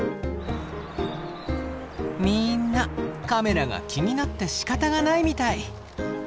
みんなカメラが気になってしかたがないみたい。